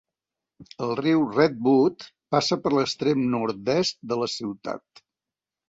El riu Redwood passa per l'extrem nord-est de la ciutat.